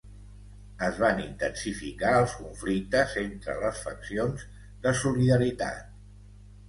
Es van intensificar els conflictes entre les faccions de Solidaritat.